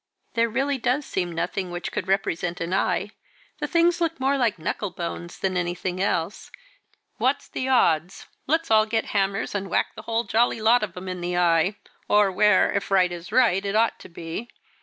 "There really does seem nothing which could represent an eye; the things look more like knuckle bones than anything else." "What's the odds? Let's all get hammers and whack the whole jolly lot of them in the eye, or where, if right is right, it ought to be.